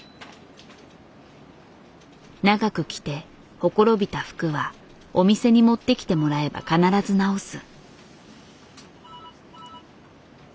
長く着て綻びた服はお店に持ってきてもらえば必ず直す。